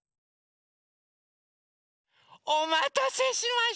おまたせしました！